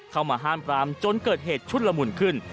เข้ามาห้ามปรามจนเกิดเหตุชุดละมุนขึ้น